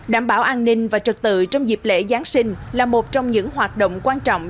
đảm bảo an ninh và trật tự trong dịp lễ giáng sinh là một trong những hoạt động quan trọng